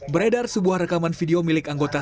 beredar sebuah rekaman video milik anggota